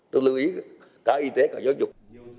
tôi lưu ý cả y tế cả giáo dục